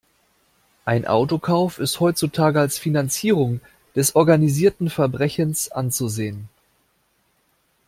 Ein Autokauf ist heutzutage als Finanzierung des organisierten Verbrechens anzusehen.